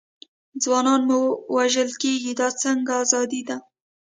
ځوانان مو وژل کېږي، دا څنګه ازادي ده.